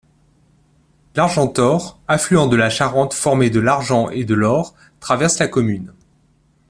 L'Argentor, affluent de la Charente formé de l'Argent et de l'Or, traverse la commune.